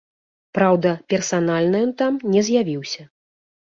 Праўда, персанальна ён там не з'явіўся.